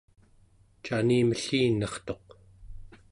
canimellinartuq